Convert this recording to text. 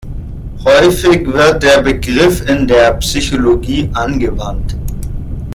Häufig wird der Begriff in der Psychologie angewandt.